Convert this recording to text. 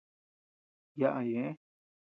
Yaʼa ñeʼe.